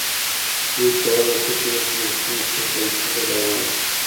دوی کولای شوای په یو شمېر سیمو خپل کنټرول ته دوام ورکړي.